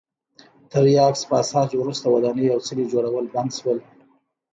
تر یاکس پاساج وروسته ودانۍ او څلي جوړول بند شول.